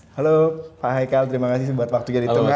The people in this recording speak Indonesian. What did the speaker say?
halo pak haikal terima kasih buat waktu yang ditunggu